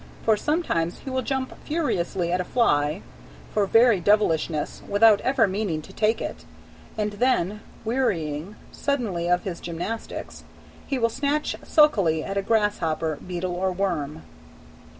For sometimes he will jump furiously at a fly, for very devilishness, without ever meaning to take it, and then, wearying suddenly of his gymnastics, he will snatch sulkily at a grasshopper, beetle, or worm.